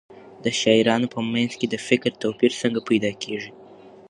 د شاعرانو په منځ کې د فکر توپیر څنګه پیدا کېږي؟